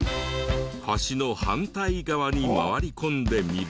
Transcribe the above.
橋の反対側に回り込んでみると。